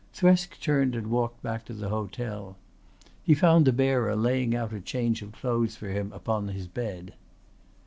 Thresk turned and walked back to the hotel. He found the bearer laying out a change of clothes for him upon his bed.